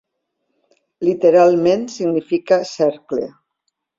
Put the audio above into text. Literalment significa cercle.